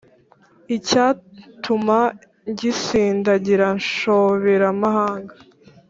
Icyatuma ngisindagira nshoberamahanga